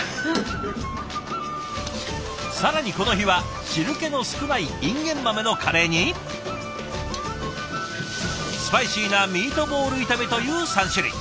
更にこの日は汁気の少ないいんげん豆のカレーにスパイシーなミートボール炒めという３種類。